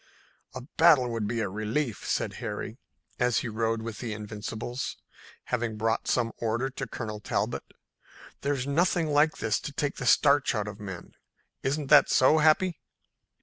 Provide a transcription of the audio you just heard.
"A battle would be a relief," said Harry, as he rode with the Invincibles, having brought some order to Colonel Talbot. "There's nothing like this to take the starch out of men. Isn't that so, Happy?"